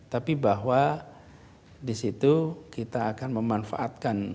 tapi bahwa di situ kita akan memanfaatkan